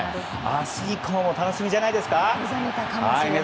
明日以降も楽しみじゃないですか。